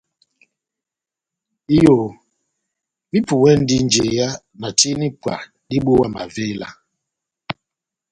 Iyo vipuwɛndi njeya na tina ipwa dibówa mavela.